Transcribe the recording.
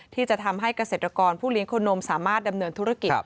ที่จะทำให้เกษตรกรผู้เลี้ยงโคนมสามารถดำเนินธุรกิจ